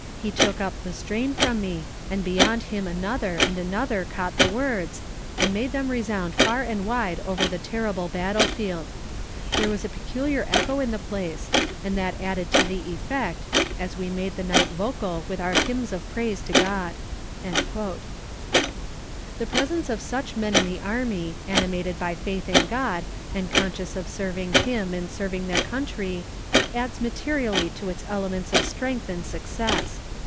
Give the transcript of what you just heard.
He took up the strain from me, and beyond him another, and another, caught the words, and made them resound far and wide over the terrible battle field. There was a peculiar echo in the place, and that added to the effect, as we made the night vocal with our hymns of praise to God.'" The presence of such men in the army, animated by faith in God, and conscious of Serving Him in serving their country, adds materially to its elements of strength and success.